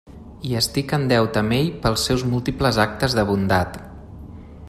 I estic en deute amb ell pels seus múltiples actes de bondat.